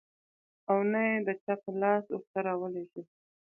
او نه يې د چا په لاس ورته راولېږل .